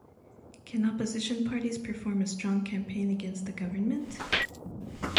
Can opposition parties perform a strong campaign against the government?